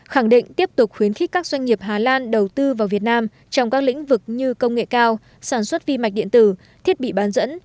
khẳng định tiếp tục khuyến khích các doanh nghiệp hà lan đầu tư vào việt nam trong các lĩnh vực như công nghệ cao sản xuất vi mạch điện tử thiết bị bán dẫn